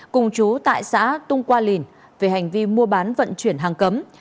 cùng chú tại xã tung qua lìn về hành vi mua bán vận chuyển hàng cấm